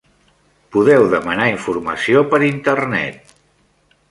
Podeu demanar informació per Internet.